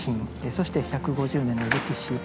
そして１５０年の歴史